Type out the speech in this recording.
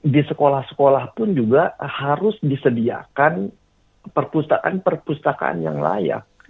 di sekolah sekolah pun juga harus disediakan perpustakaan perpustakaan yang layak